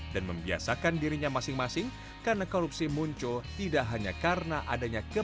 dan membiasakan dirinya masing masing karena korupsi muncul tidak hanya karena adanya korupsi